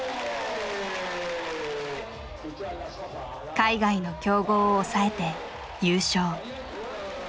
海外の強豪を抑えて優勝。